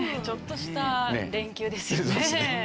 ちょっとした連休ですよね。